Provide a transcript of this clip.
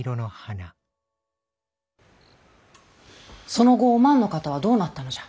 その後お万の方はどうなったのじゃ。